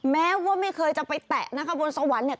แม้ว่าไม่เคยจะไปแตะบนสวรรค์